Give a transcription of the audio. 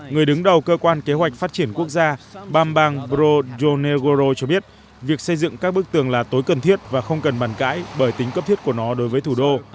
người đứng đầu cơ quan kế hoạch phát triển quốc gia bam bang bro jonegoro cho biết việc xây dựng các bức tường là tối cần thiết và không cần bàn cãi bởi tính cấp thiết của nó đối với thủ đô